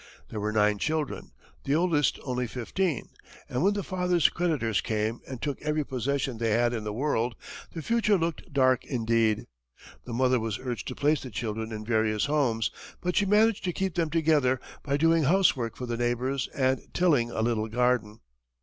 There were nine children, the oldest only fifteen, and when the father's creditors came and took every possession they had in the world, the future looked dark indeed. The mother was urged to place the children in various homes, but she managed to keep them together by doing housework for the neighbors and tilling a little garden.